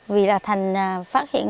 vì là phát hiện